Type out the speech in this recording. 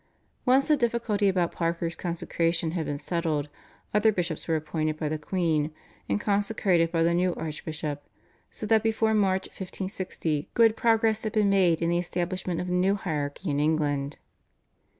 Once the difficulty about Parker's consecration had been settled other bishops were appointed by the queen, and consecrated by the new archbishop, so that before March 1560 good progress had been made in the establishment of the new hierarchy in England.